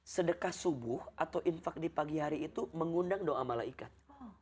sedekah subuh atau infak di pagi hari itu mengundang doa malaikat